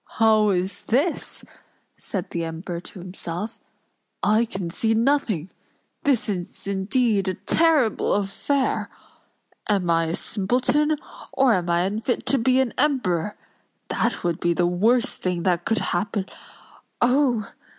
"How is this?" said the Emperor to himself. "I can see nothing! This is indeed a terrible affair! Am I a simpleton, or am I unfit to be an Emperor? That would be the worst thing that could happen—Oh!